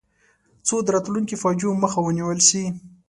څو د راتلونکو فاجعو مخه ونیول شي.